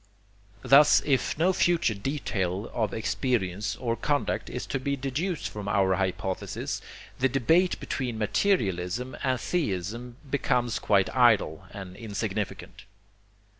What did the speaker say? Thus if no future detail of experience or conduct is to be deduced from our hypothesis, the debate between materialism and theism becomes quite idle and insignificant.